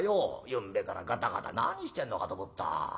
ゆんべからガタガタ何してんのかと思った。